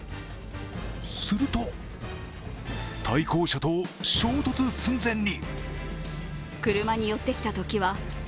すると対向車と衝突寸前に。